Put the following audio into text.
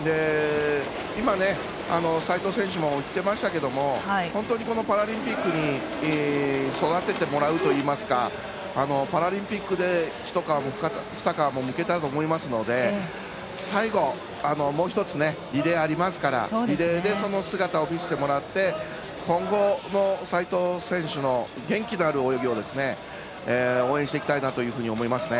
今、齋藤選手も言ってましたけど本当にこのパラリンピックに育ててもらうといいますかパラリンピックでひと皮もふた皮もむけたと思いますので最後もう１つリレーありますからリレーでその姿を見せてもらって今後も齋藤選手の元気のある泳ぎを応援していきたいなというふうに思いますね。